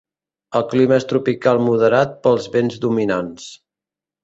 El clima és tropical moderat pels vents dominants.